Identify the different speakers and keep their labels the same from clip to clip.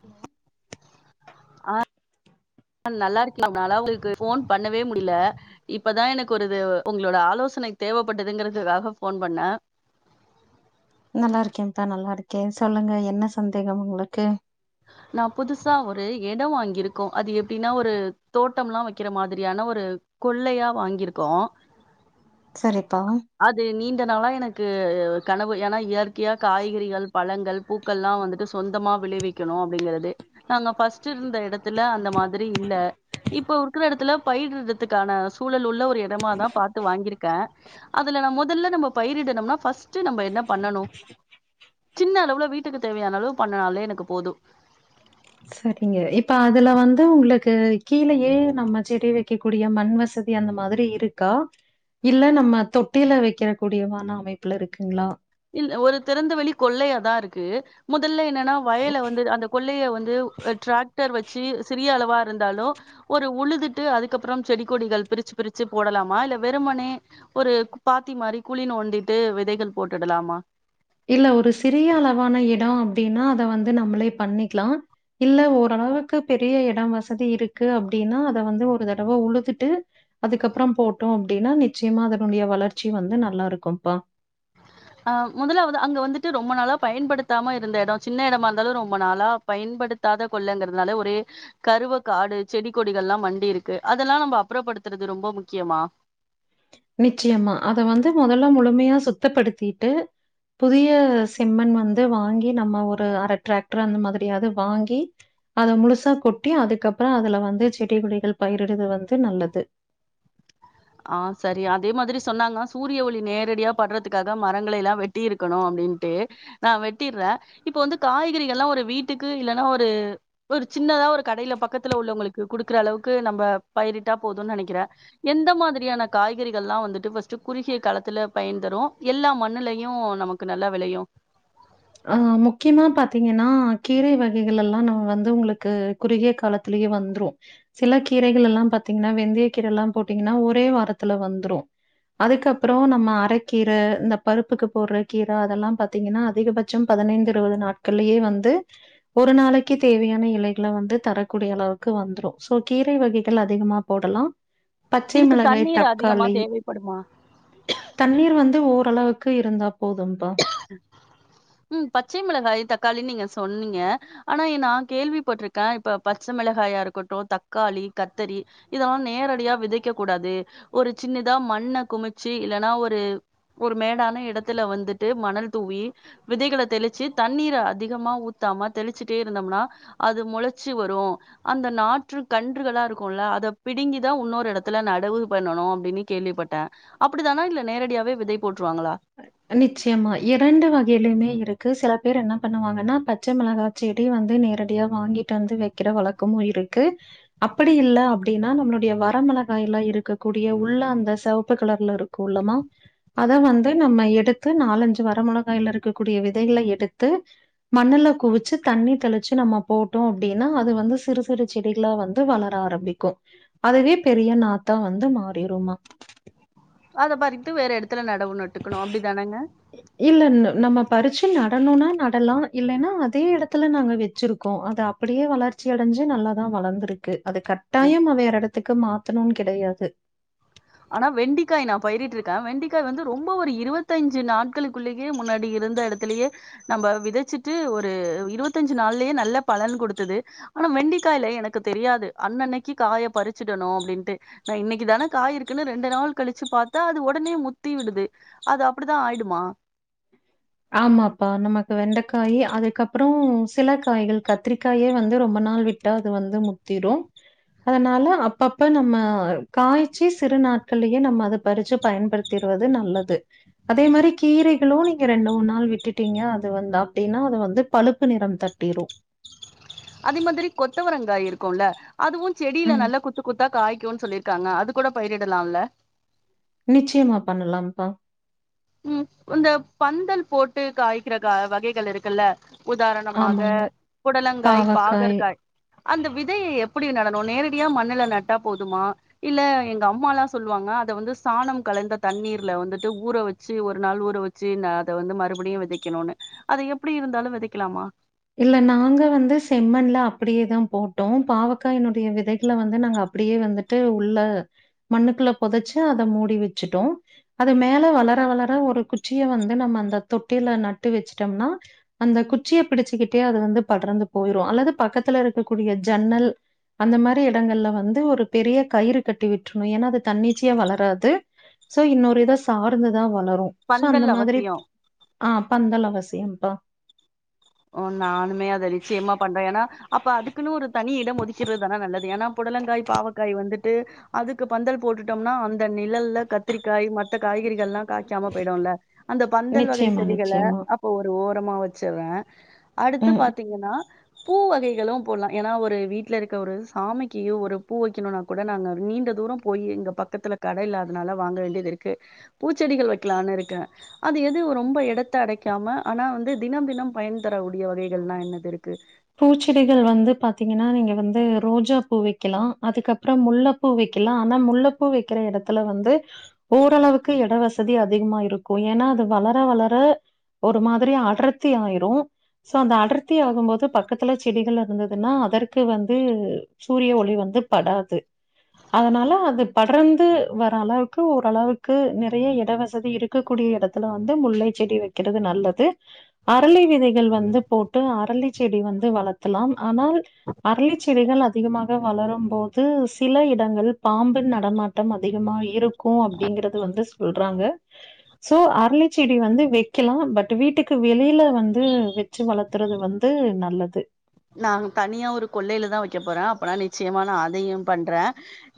Speaker 1: Hello
Speaker 2: ஆ நல்லா இருக்க என்னால உங்ளுக்கு ஃபோன் பண்ணவே முடில இப்பதா எனக்கு ஒருது உங்ளோட ஆலோசனை தேவைப்பட்டுதுங்கறதுக்காக ஃபோன் பண்ண
Speaker 1: நல்லா இருக்கேத்தா நல்லாயிருக்கே சொல்லுங்க என்ன சந்தேகம் உங்ளுக்கு
Speaker 2: நா புதுசா ஒரு எடோ வாங்கியிருக்கோ அது எப்டினா ஒரு தோட்டம்லா வைக்கிற மாதிரியான ஒரு கொள்ளையா வாங்கியிருக்கோ
Speaker 1: சரிப்பா
Speaker 2: அது நீண்ட நாளா எனக்கு கனவு ஏன்னா இயற்கயா காய்கறிகள் பழங்கள் பூக்கள்ல்லாம் வந்துட்டு சொந்தமா விளைவிக்கணா அப்டிங்கறது நாங்க இருந்த எடத்துல அந்த மாதிரி இல்ல இப்ப இருக்குற எடத்துல பயிர் இடுறத்துக்கான சூழல் உள்ள ஒரு எ டமாதா பாத்து வாங்கிருக்க அதுல நா மொதல்ல நம்ம பயிரிடனும்னா ஃபஸ்ட் ட்டு நம்ம என்ன பண்ணனும் ஜின்ன அளவுல வீட்டுக்கு தேவயான அளவு பண்னாலே எனக்கு போது
Speaker 1: சரிங்க இப்ப அதுல வந்து உங்களுக்கு கீழயே நம்ம செடி வெ கே கூடிய மண் வசதி அந்த மாதிரி இருக்கா இல்ல நம்ம தொட்டில வெக்கற கூடியமான அமைப்புலருக்குங்களா
Speaker 2: இல்ல ஒரு திறந்த வெளி கொள்ளயாதா இருக்கு முதல்ல என்னன்னா வயல வந்து அந்த கொள்ளய வந்து ட்ராக்டர் வச்சு சிறிய அளவா இருந்தாலு ஒரு உழுதுட்டு அதுக்கப்புறம் செடி கொடிகள் பிரிச்சு பிரிச்சு போடலாமா இல்ல வெறுமனே ஒரு பாத்தி மாரி குழி நோண்டிட்டு வெதைகள் போட்டுடலாமா
Speaker 1: இல்ல ஒரு சிறிய அளவான எடோ அப்டின்னா அத வந்து நம்மளே பனிக்லா இல்ல ஓரளவுக்கு பெரிய எடம் வசதி இருக்கு அப்டின்னா அத வந்து ஒரு தடவ உழுதுட்டு அதுக்கப்றோ போட்டோ அப்டின்னா நிச்சயமா அதனுடய வளர்ச்சி வந்து நல்லா இருக்கும்ப்பா
Speaker 2: அ முதலாவது அங்க வந்துட்டு ரொம்ப நாளா பயன்படுத்தாம இருந்த எடோ சின்ன எடமா இருந்தாலு ரொம்ப நாளா பயன்படுத்தாத கொள்ளங்கிறதுனால ஒரே கருவ காடு செடி கொடிகள் எல்லா மண்டிருக்கு அதெல்லா நம்ப அப்றப்படுத்துறது ரொம்ப முக்கியமா
Speaker 1: நிச்சயமா அத வந்து மொதல்ல முழுமயா சுத்தப்படுத்திட்டு புதிய செம்மண் வந்து வாங்கி நம்ம ஒரு அர ட்ரெக்டர் அந்த மாத்ரியாவது வாங்கி அத முழுசா கொட்டி அதுக்கப்புறோ அதுலவந்து செடிகொடிகள் பயிரிடுது வந்து நல்லது
Speaker 2: ஆ சரி அதே மாதிரி சொன்னாங்க சூரிய ஒளி நேரடியா படுறதுக்காக மரங்கள் எல்லா வெட்டி இருக்கணு அப்டின்ட்டு நா வெட்டிர்றே இப்ப வந்து காய்கறிகள்ல்லா ஒரு வீட்டுக்கு இல்லனா ஒரு ஒரு சின்னதா ஒரு கடயில பக்கத்துல உள்ளவங்களுக்கு குடுக்குற அளவுக்கு நம்ப பயிரிட்டா போதுன்னு நெனக்கிறே எந்த மாத் திரியான காய்கறிகள் எல்லா வந்துட்டு ஃபஸ்ட்டு குறுகிய காலத்துல பயன் தரும் எல்லா மண்ணுலயு நமக்கு நல்லா வெளயு
Speaker 1: ஆ முக்கியமா பாத்தீங்கன்னா கீரை வகைகள் எல்லா நம்ப வந்து உங்களுக்கு குறுகிய காலத்திலே வந்துரு சில கீரைகள்லெல்லா பாத்தீங்கன்னா வெந்தய கீர எல்லா போட்டீங்கன்னா ஒரே வாரத்துல வந்துரு அதுக்கப்புறோ நம்ம அரக்கீர இந்த பருப்புக்கு போடுற கீர அதெல்லா பாத்தீங்கன்னா அதிகபட் சோ பதினைந்து இருவது நாட்களேயே வந்து ஒரு நாளைக்கு தேவையான இலைகள வந்து தரக்கூடிய அளவுக்கு வந்துடு ஸோ கீரை வகைகள் அதிகமா போடலா
Speaker 2: இதுக்கு தண்ணீர் அதிகமா தேவைப்படுமா
Speaker 1: தண்ணீர் வந்து ஓரளவுக்கு இருந்தா போதும்பா
Speaker 2: உம் பச்சை மிளகாய் தக்காளி நீங்க சொன்னீங்க ஆனா ஏ நா கேள்விபட்ருகே இப்ப பச்ச மிளகாயாருக்கட்டும் தக்காளி கத்தரி இதெல்லா நேரடியா விதைக்க கூடாது ஒரு சின்னதா மண்ண குமிச்சு இல்லன்னா ஒரு ஒரு மேடான எடத்துல வந்துட்டு மணல் தூவி விதைகள தெளிச்சு தண்ணீர அதிகமா ஊத்தாம தெளிச்சுட்டே இருந்தோம்னா அது மொளச்சு வரு அந்த நாற்று கன்றுகளா இருக்குல்ல அத பிடுங்கிதா வுன்னொரு எடத்துல நடவு பண்ணனு அப்டின் கேள்விப்பட்டே அப்டிதானா இல்ல நேரடியாவே விதை போட்டுருவாங்களா
Speaker 1: நிச்சயமா இரண்டு வகையிலயுமே இருக்கு சில பேர் என்ன பண்ணுவாங்கன்னா பச்சை மிளகா செடி வந்து நேரடியா வாங்கிட்டு வந்து வெக்கிற வழக்கமு இருக்கு அப்படி இல்ல அப்டின்னா நம்மளுடைய வரமிளகாய்லா இருக்கக்கூடிய உள்ள அந்த சிவப்பு கலர்ல இருக் கோலமா அத வந்து நம்மை எடுத்து நாலஞ்சு வர மொளகாய்ல இருக்கக்க கூடிய விதைகள எடுத்து மண்ணுல்ல குவிச்சு தண்ணி தெளிச்சு நம்ம போட்டோ அப்டின்னா அது வந்து சிறு சிறு செடிகளா வந்து வளர ஆரம்பிக்கு அதுவே பெரிய நாத்தா வந்து மாறிருமா
Speaker 2: அத பறித்து வேற எடத்துல நடவு நட்டுக்கணு அப்டிதானங்க
Speaker 1: இல்லல்ல நம்ம பறிச்சு நடணும்னா நடலா இல்லன்னா அதே எடத்துல நாங்க வச்சுருக்கோ அத அப்டியே வளர்ச்சி அடஞ்சு நல்லா தா வளந்துருக்கு அத கட்டாயம் அவெ வேற எடத்துக்கு மாத்தணும்னு கெடையாது
Speaker 2: ஆனா வெண்டிக்காய் நா பயிரிட்டுருக்கே வெண்டிக்காய் வந்து ரொம்ப ஒரு இருவத்தஞ்சு நாட்களுக்குள்ளே ஏ முன்னாடி இருந்த எடத்துலயே நம்ம விதச்சிட்டு ஒரு இருவத்தஞ்சு நாள்லயே நல்ல பலன் குடுத்தது ஆனா வெண்டிக்காய்ல எனக்கு தெரியாது அன்னனைக்கீ காய பறிச்சுடணு அப்டின்ட்டு நா இன்னக்கீ தான காய் இருக் த ரெண்டு நாள் கழிச்சு பாத்தா அது ஒடனே முத்தி விடுது அது அப்டித்தா ஆயிடுமா
Speaker 1: ஆமாப்பா நமக்கு வெண்டைக்காய் அதுக்கப்பற சிலக்காய்கள் கத்திரிக்காயே வந்து ரொம்ப நாள் விட் விட்டா அது வந்து முத்திரு அதனால அப்பப்ப நம்ம காய்ச்சி சிறு நாட்கள்ளயே நம்ம அத பறிச்சு பயன்படுத்த திருவது நல்லது அதே மாரி கீரைகளு ரெண்டு மூணு நாள் விட்டுட்டீங்க அது வந்த அப்டின்னா அது வந்து பழுப்பு நிற தட்டிரு
Speaker 2: அதே மாதிரி கொத்தவரங்காய் இருக்கும்ல அதுவு செடியில
Speaker 1: ம்.
Speaker 2: நல்லா கொத்து கொத்து காய்கும் சொல்லிருக்காங்க அது கூட பயிரிடலாம்ல
Speaker 1: நிச்சயமா பண்ணலாம்ப்பா
Speaker 2: ம் இந்த பந்தல் போட்டு காய்க்கற வகைகள் இருக்குல்ல உதாரணமாக
Speaker 1: ஆமாங்க.
Speaker 2: புடலங்காய்
Speaker 1: பாவக்காய்.
Speaker 2: பாகற்காய் அந்த விதையை எப்டி நடணு நேரடியா மண்ணுல நட்டா போதுமா இல்ல எங்க அம்ம எலா சொல்லுவாங்க அத வந்து சாணம் கலந்த தண்ணீர்ல வந்துட்டு ஊற வச் சி ஒரு நாள் ஊற வச்சு ந அத வந்து மறுபடியு விதைக்கணும்னு அத எப்டி இருந்தாலு விதைக்கலாமா
Speaker 1: இல்ல நாங்க வந்து செம்மன்ல அப்டியே தா போட்டோ பாவக்காய்னுடைய விதைகளை வந்து அப்டியே வந்துட்டு ட்டு உள்ள மண்ணுக்குள்ள பொதச்சு அத மூடி வச்சுட்டோ அது மேல வளர வளர ஒரு குச்சிய வந்து நம்ம அந்த தொட்டியில நட்டு வச்சுட்டோம்னா அந்த குச்சியை பிடிச்சுக்கிட்டே அது வந்து படர்ந்து போயிரும் அல்லது பக்கத்துல இருக்கக்கூடிய ஜன்னல் அந்த மாரி இடங்கள்ல வந்து ஒரு பெரிய கயிறு கட்டி விட்ருணு ஏன்னா அது தண்ணிச்சையா வளராது சோ இன்னொரு இத சார்ந்துதா வளரு சோ அந்த
Speaker 2: பந்தல்
Speaker 1: மாதிரி
Speaker 2: அவசியோ
Speaker 1: ஆ பந்தல் அவசியம்ப்பா
Speaker 2: ஓ நானுமே அத நிச்சயமா பண்ற ஏன்னா அப்ப அதுக்குன்னு ஒரு தனி இடம் ஒதிக் வைக்கிறது தான நல்லது ஏன்னா புடலங்காய் பாவக்காய் வந்துட்டு அதுக்கு பந்தல் போட்டுடும்னா அந்த இந்த நிழல்ல கத்திரிக்காய் மத்த காய்கறிகள் எல்லா காய்க்காம போய்டும்ல அந்த பந்தல் வகை
Speaker 1: நிச்சயமா,
Speaker 2: செடிகள
Speaker 1: நிச்சயமா.
Speaker 2: அப்போ ஒரு ஓரமா வச்சுற அடுத்து
Speaker 1: ம்.
Speaker 2: பாத்தீங்கன்னா பூ வகைகளும் போடலா ஏன்னா ஒரு வீட்டுல இருக்க ஒரு சாமிக்கு ஒரு பூ வைக்கணும்னா கூட நாங்க நீண்ட தூர போய் இங்க பக்கத்துல கடை இல்லாதனால வாங்க வேண்டியது இருக்கு பூச்செடிகள் வைக்கலான்னு இருக்க அது எது ரொம்ப எடத்த அடைக்காம ஆனா வந்து தினம் தினம் பயன் தரக்கூடிய வகைகள்ன்னா என்னது இருக்கு
Speaker 1: பூச்செடிகள் வந்து பாத்தீங்கன்னா நீங்க வந்து ரோஜா பூ வெக்கலா அதுக்கப்பற முல்ல பூ வெக்கலா ஆனா முல்வ பூ வெக்கிற எடத்துல வந்து ஓரளவுக்கு எட வசதி வசதி அதிகமா இருக்கும் ஏன்னா வளர வளர ஒரு மாதிரி அடர்த்தி ஆயிரும் சோ அந்த அடர்த்தி ஆகும் போது பக் பக்கத்துல செடிகள் இருந்ததுன்னா அதற்கு வந்து சூரிய ஒளி வந்து படாது அதனால அது படர்ந்து வர அளவுக்கு ஓரளவுக்கு நெறைய எட வசதி இருக் இருக்க கூடிய எடத்துல வந்து முல்லை செடி வைக்கிறது நல்லது அரளிவிதைகள் வந்து போட்டு அரளி செடி வந்து வளர்த்தலாம் ஆனால் அருளி செடிகள் அதிகமாக வளரும் போது சில இடங்கள் பாம்பு நடமாட் ட்டம் அதிகமா இருக்கும் அப்டிங்கிறது வந்து சொல்றாங்க சோ அருளிச்செடி வந்து வைக்கலா பட் வீட்டுக்கு வெளியில வந்து வச்சு வளர்த்துறது வந்து நல்லது
Speaker 2: நா தனியா ஒரு கொள்ளையில தா வைக்க போற அப்பனா நிச்சயமா அதையு பண்ற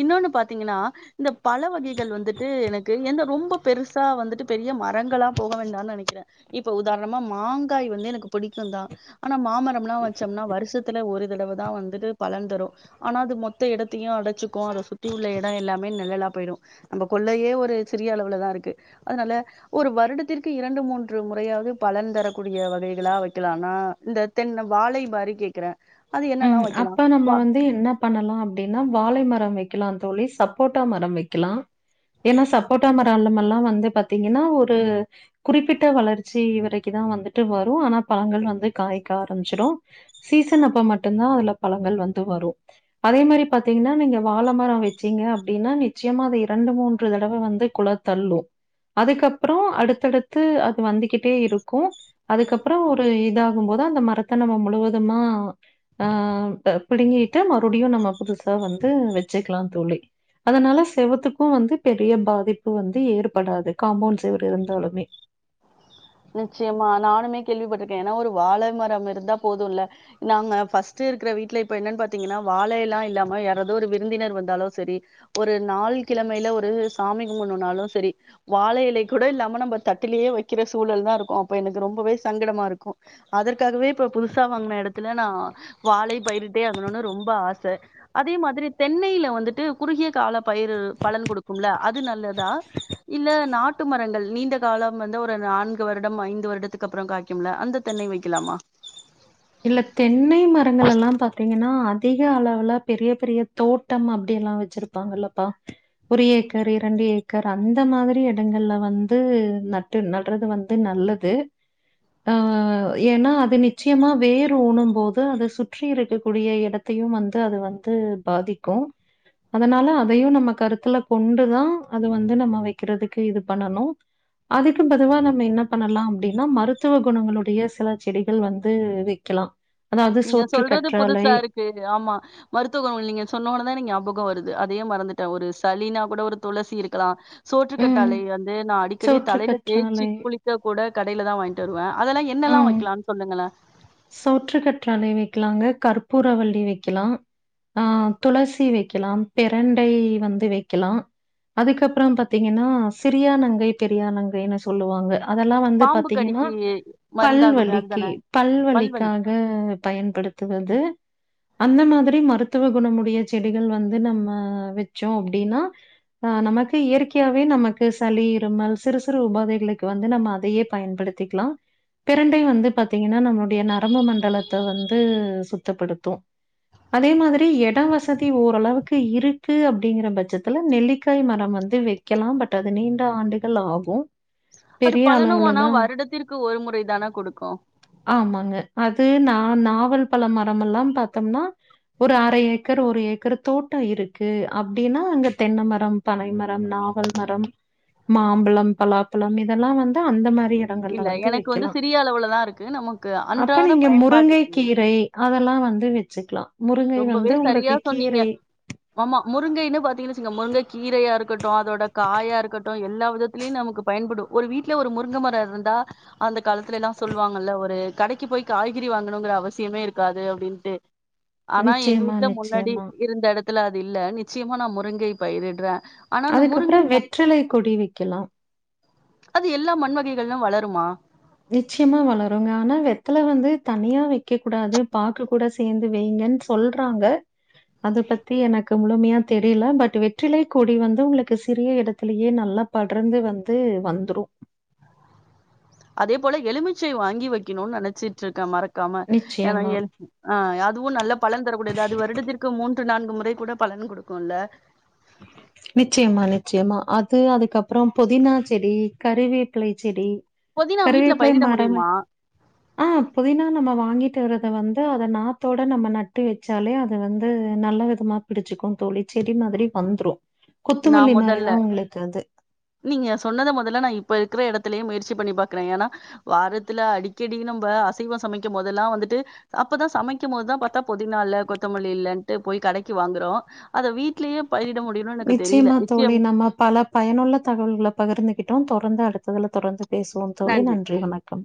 Speaker 2: இன்னொன்னு பாத்தீங்கன்னா இந்த பல வகைகள் வந்துட்டு எனக்கு என ரொம்ப பெருசா வந்துட்டு பெரிய மரங்களா போக வேண்டாம்னு நெனைக்கிற இப்ப உதாரணமா மாங்காய் வந்து எனக்கு புடிக்கும் தா ஆனா மாமரம் ல்லா ச்சோம்னா வருஷத்துல ஒரு தடவ தா வந்துட்டு பலன் தரு ஆனா அது மொத்த எடத்தையு அடச்சுக்கு அத சுத்தி உள்ள எடோ எல்லாமே நிழலா போய்ரு நம்ம கொள்ளயே ஒரு சிறிய அளவுலதா இருக்கு அதுனால ஒரு வருடத்திற்கு இரண்டு மூன்று முறையாவது பலன் தரக்கூடிய வகைகளா வெக்கலானா இந்த தென்ன வாழை மாரி கேக்கறே
Speaker 1: ம் அப்ப நம்ம வந்து என்ன பண்ணலா அப்டின்னா வாழை மரோ வெக்கலா தோழி சப்போட்டா மரோ வெக்கலா ஏனா சப்போட்டா மரோலமெல்லா வந்து பாத்தீங்கன்னா ஒரு குறிப்பிட்ட வளர்ச்சி வரைக்குதா வந்துட்டு வரு ஆனா பழங்கள் வந்து காய்க்க ஆரம்பிச்சிடு சீசன் அப்ப மட்டுந்தா அதுல பழங்கள் வந்து வரு அதே மாரி பாத்தீங்னா நீங்க வாழ மரோ வெச்சீங்க அப்டினா நிச்சயமா அது இரண்டு மூன்று தடவ வந்து குலத் தள்ளு அதுக்கப்றோ அடுத்தடுத்து அது வந்துகிட்டே இருக்கு அதுக்கப்றோ ஒரு இதாகும் போது அந்த மரத்த நம்ம முழுவதுமா அ ப பிடுங்கீட்டு மறுப்டியு நம்ம புதுசா வந்து வெச்சுக்கலா தோழி அதனால செவுத்துக்கு வந்து பெரிய பாதிப்பு வந்து ஏற்படாது காம்பவுண்ட் செவுரு இருந்தாலுமே
Speaker 2: நிச்சயமா நானுமே கேள்விப்பட்ருக்கே ஏனா ஒரு வாழைமரம் இருந்தா போதுல்ல நாங்க ஃபஸ்ட்டு இருக்கற வீட்ல இப்ப என்னன் பாத்தீங்கனா வாழைலா இல்லாம யாராது ஒரு விருந்தினர் வந்தாலு செரி ஒரு நாள் கிழமைல ஒரு சாமி கும்பட்ணுனாலு செரி வாழ இலை கூட இல்லாம நம்ப தட்டுலயே வெக்கிற சூழல் தா இருக்கு அப்ப எனக்கு ரொம்பவே சங்கடமா இருக்கு அதற்காகவே இப்ப புதுசா வாங்ன எடத்துல நா வாழை பயிரிட்டே ஆகணுனு ரொம்ப ஆச அதே மாதிரி தென்னைல வந்துட்டு குறுகிய கால பயிரு பலன் குடுக்கும்ல அது நல்லதா இல்ல நாட்டு மரங்கள் நீண்ட காலம் வந்து ஒரு நான்கு வருடம் ஐந்து வருடத்துக்கு அப்றோ காய்க்குமில்ல அந்த தென்னை வைக்கலாமா
Speaker 1: இல்ல தென்னை மரங்களெல்லா பாத்தீங்கனா அதிக அளவுல பெரிய பெரிய தோட் டம் அப்டியெல்லா வெச்சிருப்பாங்கல்லப்பா ஒரு ஏக்கர் இரண்டு ஏக்கர் அந்த மாதிரி எடங்கள்ல வந்து நட் டு நடறது வந்து நல்லது ஆ ஏனா அது நிச்சயமா வேர் ஊனம் போது அது சுற்றி இருக்கக்கூடிய எடத்தையும் வந்து அது வந்து பாதிக்கு அதனால அதையு நம்ம கருத்துல கொண்டுதா அது வந்து நம்ம வெக்கறதுக்கு இது பண்ணனு அதுக்கு பதுவா நம்ம என்ன பண்ணலா அப்டினா மருத்துவ குணங்களுடைய சில செடிகள் வந்து வெக்கலா அதாவ்து சோற்று கற்றாழை
Speaker 2: பேரு ஆமா மருத்துவ குண உள் நீங்க சொன்ன உட்ன தா நீங்க ஞாபகோ வருது அதே மறந்துட்டே ஒரு சளினா கூட ஒரு துளசி இருக்கலா
Speaker 1: ம்.
Speaker 2: சோற்றுக்கற்றாழை வந்து நா அடிக்கடி
Speaker 1: சோற்று
Speaker 2: தலைல தேச்சி
Speaker 1: கற்றாழை,
Speaker 2: குளி க்க கூட கடைல தா வாய்ங்ட்டு வருவே அதெல்லா என்னெல்லா
Speaker 1: ம்.
Speaker 2: வெக்கலான் சொல்லுங்களே
Speaker 1: சோற்று கற்றாழை வெக்கலாங்க கற்பூரவள்ளி வெக்கலா ஆ துளசி வெக்கலா பிரண்டை வந்து வெக்கலா அதுக்கப்றோ பாத்தீங்கனா சிறியா நங்கை பெரியா நங்கைன்னு சொல்லுவாங்க அதெல்லா வந்து
Speaker 2: பாம்பு
Speaker 1: பாத்தீங்கனா
Speaker 2: கடிக்கு மருந்தாகுமே
Speaker 1: பல்வலிக்கு
Speaker 2: அதுதானே
Speaker 1: பல்வலி க்கு பயன்படுத்துவது அந்த மாதிரி மருத்துவ குணமுடைய செடிகள் வந்து நம்ம வெச்சோ அப்டினா ஆ நமக்கு இயற்கையாவே நமக்கு சளி, இருமல் சிறு சிறு உபாதைகளுக் வந்து நம்ம அதையே பயன்படுத் திக்கலா பிரண்டை வந்து பாத்தீங்கனா நம்ளோ டைய நரம்பு மண்டலத்த வந்து சுத்தப்படுத்து அதே மாதிரி எட வசதி ஓரளவுக்கு இருக்கு அப்டிங்கிற பட்சத்துல நெல்லிக்காய் மரம் வந்து வெக் கலா பட் அது நீண்ட ஆண்டுகள் ஆகு
Speaker 2: அது பலனு ஆனா வருடத்திற்கு ஒரு முறை தான குடுக்கூ
Speaker 1: ஆமாங்க அது நா நாவல் பழ மரமெல்லாம் பாத்தம்னா ஒரு அர ஏக்கர் ஒரு ஏக்கர் தோட்டோ இருக்கு அப்டினா அங்க தென்னமரம் பனைமரம் நாவல் மரம் மாம்பழம் பலாப்பழம் இதெல்லா வந்து அந்த மாரிய
Speaker 2: இல்ல எனக்கு வந்து சிறிய அளவுலதா இருக்கு நம்ம
Speaker 1: அப்ப நீங்க முருங்கை கீரை அதெல்லா வந்து வெச்சுக்லா முருங்கை
Speaker 2: ரொம்பவே
Speaker 1: வந்து
Speaker 2: சரியா
Speaker 1: உங்களுக்கு
Speaker 2: சொன்னீங்க.
Speaker 1: கீரை
Speaker 2: ஆமா முருங்கைனு பாத்தீங்னு வச்சுக்ங்க முருங்க கீரையா இருக்கட்டூ அதோட காயா இருக்கட்டூ எல்லா விதத் துலயு நமக்கு பயன்படு ஒரு வீட்ல ஒரு முருங்கமரோ இருந்தா அந்த காலத்துலைலா சொல்வாங்கல்ல ஒரு கடைக்கு போய் காய்கறி வாங்கணுங்குற அவசியமே இருக்காது அப்டின்ட்டு ஆனா எங்க
Speaker 1: நிச்சயமா,
Speaker 2: வீட்ல முன்னாடி
Speaker 1: நிச்சயமா.
Speaker 2: இருந்த எடத்துல அது இல்ல நிச்சயமா நா முருங்கை பயிரிட்ற
Speaker 1: அதுக்கப்றோ வெற்றிலைக் கொடி வைக்கலா
Speaker 2: அது எல்லா மண் வகைகள்லயு வளருமா
Speaker 1: நிச்யமா வளருங்க ஆனா வெத்தல வந்து தனியா வைக்க கூடாது பாக்கு கூட சேந்து வைங்கன் சொல்றாங்க அத பத்தி எனக்கு முழுமையா தெரியல பட் வெற்றிலைக் கொடி வந்து உங்களுக்கு சிறிய எடத்துலயே நல்லா படர்ந்து வந்து வந்துரு
Speaker 2: அதே போல எலுமிச்சை வாங்கி வைக்கனுன் நெனச்சிட்ருக்க மறக்காம ஏனா
Speaker 1: நிச்சயமா,
Speaker 2: என் ஆ அதுவு நல்ல பலன் தரக்கூடியது அது வருடத்திற்கு மூன்று நான்கு முறை கூட பலன் குடுக்கூல்ல
Speaker 1: நிச்சயமா நிச்சயமா அது அதுக்கப்றோ புதினா செடி கருவேப்பிலை செடி
Speaker 2: புதினா வீட்ல
Speaker 1: கருவேப்பிலை
Speaker 2: பயிரிட
Speaker 1: மரம்
Speaker 2: முடியுமா?
Speaker 1: ஆ புதினா நம்ம வாங்கிட்டு வரத வந்து அத நாத்தோட நம்ம நட்டு வச்சாலே அது வந்து நல்ல வித தமா பிடிச்சிக்கு தோழி செடி மாதிரி வந்ரூ
Speaker 2: நா முதல்ல நீங்க சொன்னத மொதல நா இப்ப இருக்ற எடத்துலயே முயற்சி பண்ணி பாக்குறே ஏனா வாரத்துல அடிக்கடி நம்ப அசைவோ சமைக்கும் போதெல்லா வந்துட்டு அப்பதா சமைக்கும் போதுதா பாத்தா புதினா இல்ல கொத்தமல்லி இல்லன்ட்டு போய் கடைக்கி வாங்குறோ அத வீட்லயே பயிரிட முடியனுன்
Speaker 1: நிச்சயமா தோழி நம்ம பல பயனுள்ள தகவல்கல பகிர்ந்துகிட்டோ தொடர்ந்து அடுத்ததுல தொடர்ந்து பேசுவோம் தோழி நன்றி வணக்கம்